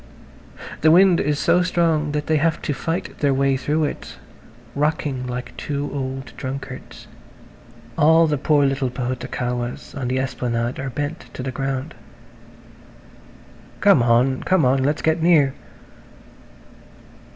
The wind is so strong that they have to fight their way through it, rocking like two old drunkards. All the poor little pahutukawas on the esplanade are bent to the ground. "Come on! Come on! Let's get near."